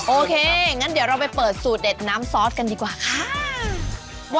โอเคงั้นเดี๋ยวเราไปเปิดสูตรเด็ดน้ำซอสกันดีกว่าค่ะ